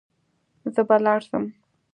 زه به لاړ سم.